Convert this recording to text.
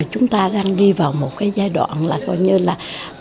chúng ta đang đi vào một cái giai đoạn là coi như là